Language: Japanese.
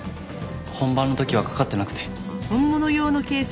本番の時はかかってなくて。